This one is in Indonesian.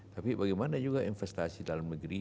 tapi bagaimana juga investasi dalam negeri